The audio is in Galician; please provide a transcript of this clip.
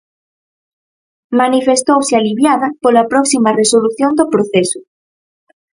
Manifestouse "aliviada" pola próxima resolución do proceso.